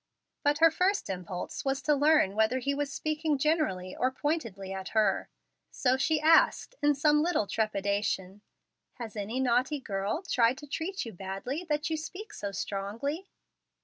But her first impulse was to learn whether he was speaking generally, or pointedly at her; so she asked, in some little trepidation, "Has any naughty girl tried to treat you badly, that you speak so strongly?"